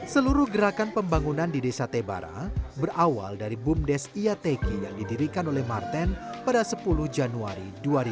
seluruh gerakan pembangunan di desa tebara berawal dari bumdes iateki yang didirikan oleh marten pada sepuluh januari dua ribu dua puluh